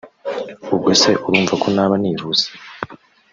ubwo se urumva ko naba nihuse